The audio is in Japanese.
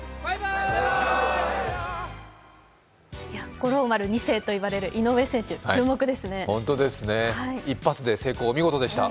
五郎丸２世と呼ばれる井上選手期待ですね。